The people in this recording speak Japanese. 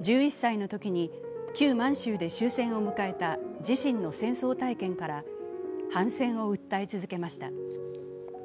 １１歳のときに旧満州で終戦を迎えた自身の戦争体験から反戦を訴え続けました。